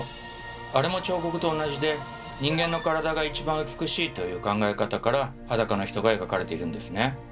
あれも彫刻と同じで人間の体が一番美しいという考え方から裸の人が描かれているんですね。